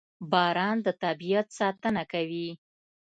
• باران د طبیعت ساتنه کوي.